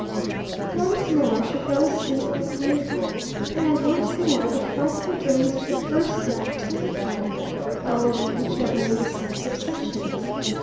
Once more, she fell asleep as usual. And, once more, the frightful dreams of the first night terrified her, following each other in the same succession.